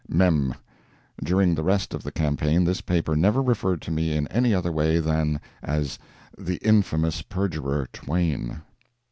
[Mem. During the rest of the campaign this paper never referred to me in any other way than as "the infamous perjurer Twain."